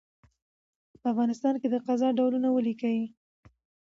په افغانستان کي د قضاء ډولونه ولیکئ؟